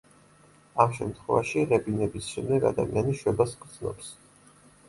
ამ შემთხვევაში ღებინების შემდეგ ადამიანი შვებას გრძნობს.